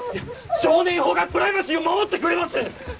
少年法がプライバシーを守ってくれます